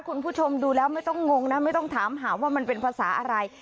คุณผู้ชมดูแล้วไม่ต้องงงนะไม่ต้องถามหาว่ามันเป็นภาษาอะไร